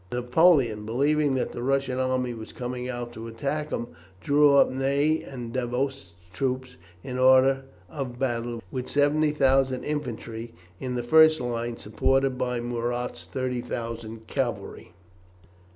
Napoleon, believing that the Russian army was coming out to attack him, drew up Ney and Davoust's troops in order of battle, with 70,000 infantry in the first line, supported by Murat's 30,000 cavalry.